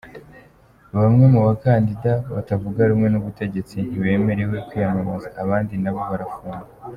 Bamwe mu bakandida batavuga rumwe n'ubutegetsi ntibemerewe kwiyamamaza, abandi na bo barafungwa.